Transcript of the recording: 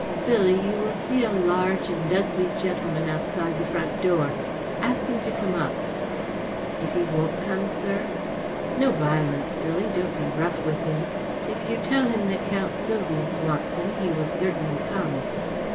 Billy, you will see a large and ugly gentleman outside the front door. Ask him to come up." " If he won't come, sir ?"" No violence, Billy. Don't be rough with him. If you tell him that Count Sylvius wants him he will certainly come."